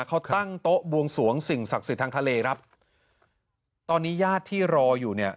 เขาตั้งโต๊ะบวงสวงสิ่งศักดิ์สิทธิ์ทางทะเลครับตอนนี้ญาติที่รออยู่เนี่ย